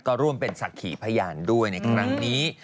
ก็ร่วมเป็นศักดิ์ขีพยานด้วยในครั้งนี้